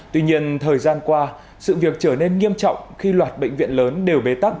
tuy nhiên thời gian qua sự việc trở nên nghiêm trọng khi loạt bệnh viện lớn đều bế tắc